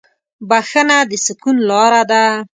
بښنه د سکون لاره ده.